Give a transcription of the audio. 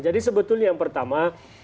jadi sebetulnya yang pertama